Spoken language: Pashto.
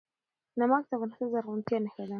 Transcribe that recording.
نمک د افغانستان د زرغونتیا نښه ده.